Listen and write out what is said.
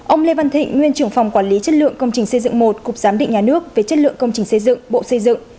ông lê văn thịnh nguyên trưởng phòng quản lý chất lượng công trình xây dựng một cục giám định nhà nước về chất lượng công trình xây dựng bộ xây dựng